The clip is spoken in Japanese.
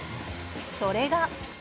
それが。